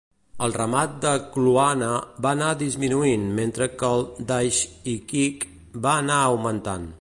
El ramat de Kluane va anar disminuint mentre que el d'Aishihik va anar augmentant.